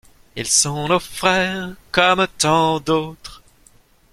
Ils sont nos frères comme tant d’autres.